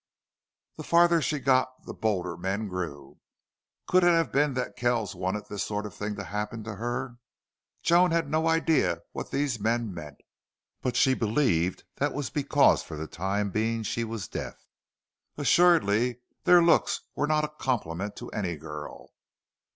The farther she got the bolder men grew. Could it have been that Kells wanted this sort of thing to happen to her? Joan had no idea what these men meant, but she believed that was because for the time being she was deaf. Assuredly their looks were not a compliment to any girl.